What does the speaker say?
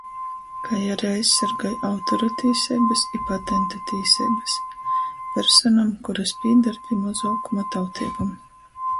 Kai ari aizsorgoj autoru tīseibys i patentu tīseibys. Personom, kurys pīdar pi mozuokuma tauteibom,